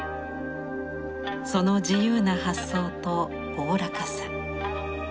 その自由な発想とおおらかさ。